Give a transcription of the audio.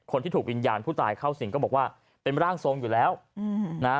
คนที่ถูกวิญญาณผู้ตายเข้าสิ่งก็บอกว่าเป็นร่างทรงอยู่แล้วอืมนะฮะ